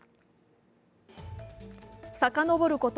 さかのぼること